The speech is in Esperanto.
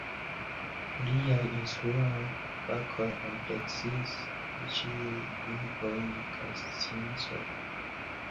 Liaj instruaj fakoj ampleksis ĉiujn lingvojn kaj sciencojn.